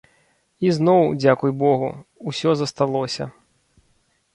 І зноў, дзякуй богу, усё засталося.